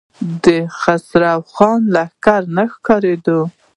د خسرو خان لښکر نه ښکارېده.